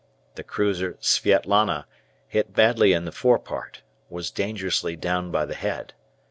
The cruiser "Svietlana," hit badly in the forepart, was dangerously down by the head.